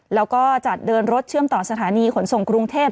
แล้วก็จัดเดินรถเชื่อมต่อสถานีขนส่งกรุงเทพ